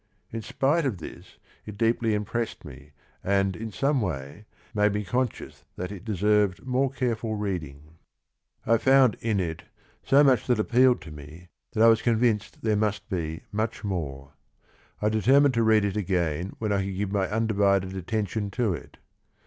In spite of this, it deeply impressed me and in some way made me conscious that it deserved more careful reading. I found in it so much that appealed to me that I was convinced there must be much more. I determined to read it again when I could give my undivided attention to it.